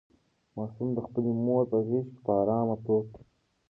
ماشوم د خپلې مور په غېږ کې په ارامه پروت دی.